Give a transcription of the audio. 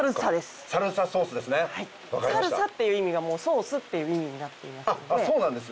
サルサっていう意味がもうソースっていう意味になっていますんで。